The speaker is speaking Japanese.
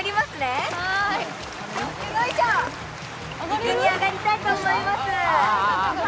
陸に上がりたいと思います。